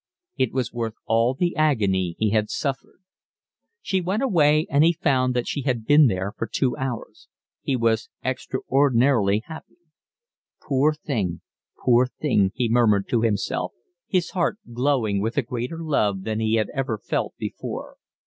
It was worth all the agony he had suffered. She went away and he found that she had been there for two hours. He was extraordinarily happy. "Poor thing, poor thing," he murmured to himself, his heart glowing with a greater love than he had ever felt before.